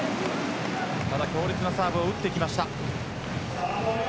強烈なサーブを打ってきました。